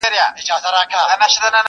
زما څه عبادت په عادت واوښتی,